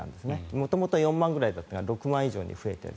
元々４万ぐらいだったのが６万以上に増えている。